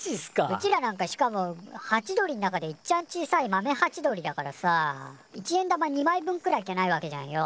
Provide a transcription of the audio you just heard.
うちらなんかしかもハチドリの中でいっちゃん小さいマメハチドリだからさ一円玉２枚分くらいっきゃないわけじゃんよ